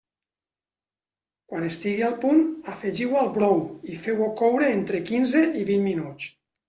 Quan estigui al punt, afegiu-ho al brou i feu-ho coure entre quinze i vint minuts.